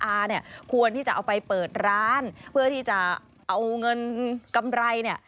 อาควรที่จะเอาไปเปิดร้านเพื่อที่จะเอาเงินกำไร